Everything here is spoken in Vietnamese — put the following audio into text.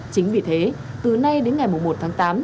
chính vì thế từ nay đến ngày một tháng tám